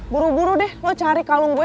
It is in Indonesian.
buru buru deh lo cari kalung gue